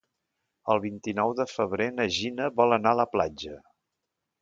El vint-i-nou de febrer na Gina vol anar a la platja.